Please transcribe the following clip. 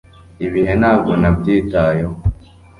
ibihe ntabwo nabyitayeho